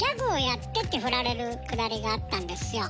ふられるくだりがあったんですよ。